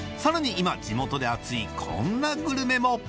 今地元で熱いこんなグルメも！